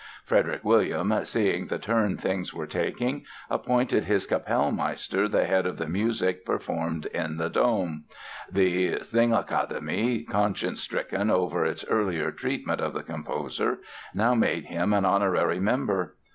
Frederick William, seeing the turn things were taking, appointed his Kapellmeister the head of the music performed in the Dom. The Singakademie, conscience stricken over its earlier treatment of the composer, now made him an honorary member.